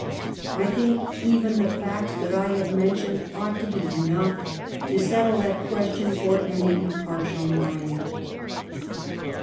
I think even the facts that I have men tioned ought to be enough to settle that question for any impartial mind.